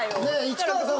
市川さん